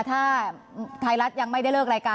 ถ้าไทยรัฐยังไม่ได้เลิกรายการ